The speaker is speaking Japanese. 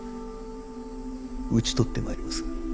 討ち取ってまいります。